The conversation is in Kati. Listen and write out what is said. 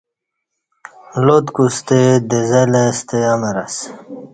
لات کوستہ دیزلے ستہ امر اسہ